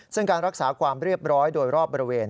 ซึ่งการรักษาความเรียบร้อยโดยรอบบริเวณ